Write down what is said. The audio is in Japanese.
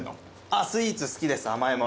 スイーツ好きです甘いもの。